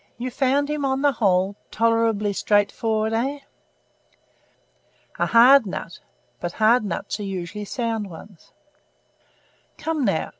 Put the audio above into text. You found him on the whole tolerably straightforward, eh? A hard nut; but hard nuts are usually sound ones. Come, now!